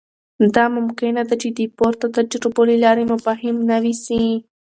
دا ممکنه ده چې د پورته تجربو له لارې مفاهیم نوي سي.